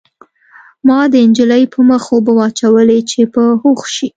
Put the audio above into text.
ما د نجلۍ په مخ اوبه واچولې چې په هوښ شي